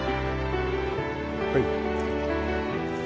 はい。